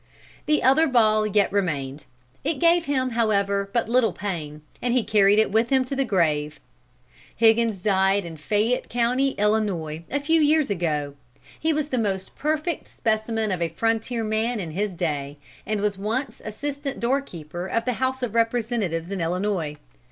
"The other ball yet remained. It gave him, however, but little pain, and he carried it with him to the grave. Higgins died in Fayette County, Illinois, a few years ago. He was the most perfect specimen of a frontier man in his day, and was once assistant door keeper of the House of Representatives in Illinois.